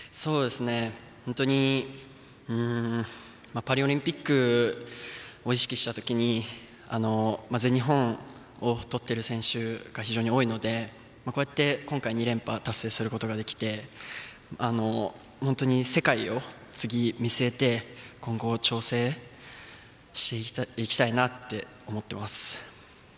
本当にパリオリンピックを意識した時に全日本を取っている選手が非常に多いのでこうやって今回、２連覇達成することができて本当に世界を次、見据えて今後、調整していきたいなって思っています。